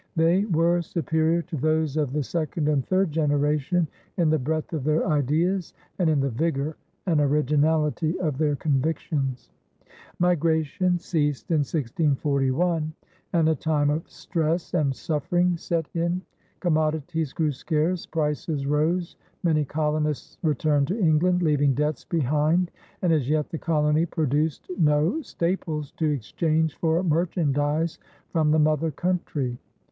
They were superior to those of the second and third generation in the breadth of their ideas and in the vigor and originality of their convictions. Migration ceased in 1641, and a time of stress and suffering set in. Commodities grew scarce, prices rose, many colonists returned to England leaving debts behind, and as yet the colony produced no staples to exchange for merchandise from the mother country.